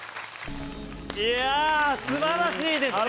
いや素晴らしいですね。